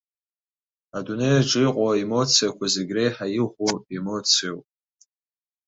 Адунеи аҿы иҟоу аемоциақәа зегь реиҳа иӷәӷәоу емоциоуп.